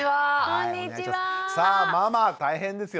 さあママ大変ですよね。